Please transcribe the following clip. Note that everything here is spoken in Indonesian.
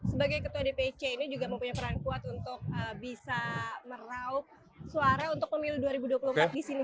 sebagai ketua dpc ini juga mempunyai peran kuat untuk bisa meraup suara untuk pemilu dua ribu dua puluh empat di sini